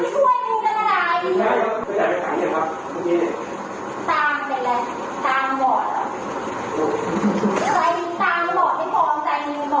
สุด่า